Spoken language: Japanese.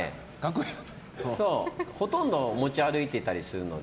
ほとんど持ち歩いてたりするので。